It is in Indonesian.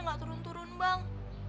ga turun turun bang